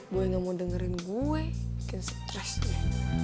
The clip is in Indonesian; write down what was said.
boya gak mau dengerin gue bikin stress dia